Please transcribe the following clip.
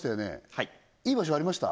はいいい場所ありました？